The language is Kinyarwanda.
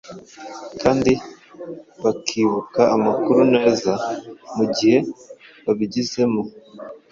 kandi bakibuka amakuru neza mugihe babigizemo